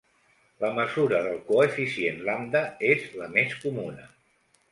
La mesura del coeficient Lambda és la més comuna.